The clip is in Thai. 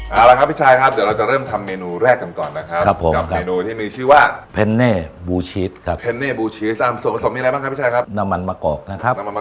เอาละครับพี่ชัยครับเดี๋ยวเราจะเริ่มทำเมนูแรกกันก่อนนะครับ